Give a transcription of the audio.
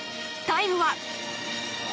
タイムは。